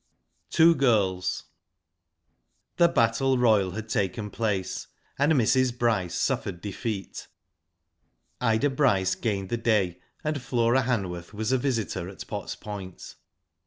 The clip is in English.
TWO GIRLS. The battle royal had taken place, and Mrs. Bryce suffered defeat. Ida Bryce gained the day, and Flora Hanworth was a visitor at Potts Point.